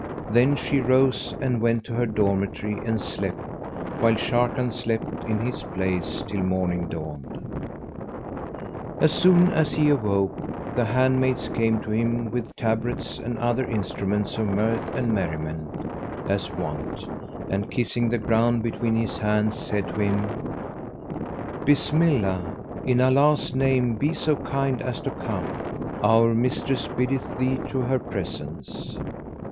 Then she rose and went to her dormitory and slept, while Sharrkan slept in his place till morning dawned. As soon as he awoke, the hand maids came to him with tabrets and other instruments of mirth and merriment, as wont; and, kissing the ground between his hands, said to him, "Bismillah! in Allah's name be so kind as to come[FN#195]: our mistress biddeth thee to her presence!"